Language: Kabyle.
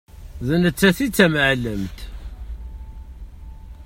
D nettat i d tamεellemt.